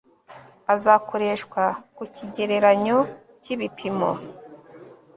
azakoreshwa ku kigereranyo cy ibipimo